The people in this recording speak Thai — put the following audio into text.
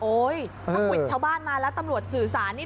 ถ้าควิดชาวบ้านมาแล้วตำรวจสื่อสารนี่